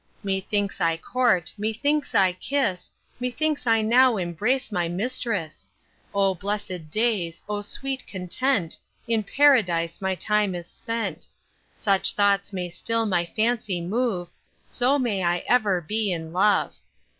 Methinks I court, methinks I kiss, Methinks I now embrace my mistress. O blessed days, O sweet content, In Paradise my time is spent. Such thoughts may still my fancy move, So may I ever be in love.